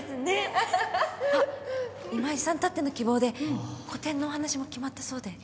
あっ今井さんたっての希望で個展のお話も決まったそうで。